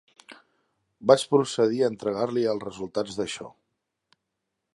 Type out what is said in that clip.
Vaig procedir a entregar-li els resultats d'això.